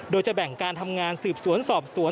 โดยจะแบ่งการทำงานสืบสวนสอบสวน